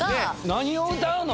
何を歌うの？